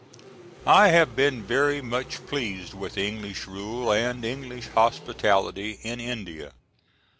I have been very much pleased with English rule and English hospitality in India.